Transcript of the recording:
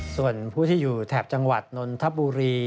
ส่วนผู้ที่อยู่แถบจังหวัดนนทบุรี